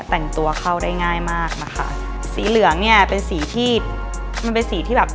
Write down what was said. แต่งตัวเข้าได้ง่ายมากนะคะสีเหลืองเนี่ยเป็นสีที่มันเป็นสีที่แบบ